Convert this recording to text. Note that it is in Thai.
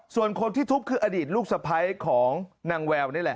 ส่วนคนที่ทุบคืออดีตลูกสะพ้ายของนางแววนี่แหละ